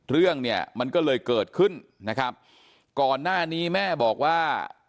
เรื่องเนี่ยมันก็เลยเกิดขึ้นนะครับก่อนหน้านี้แม่บอกว่า